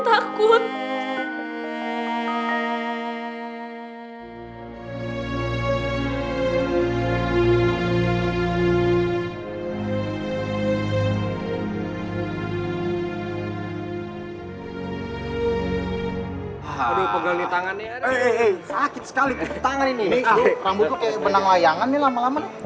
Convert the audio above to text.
rambut lu kayak benang layangan nih lama lama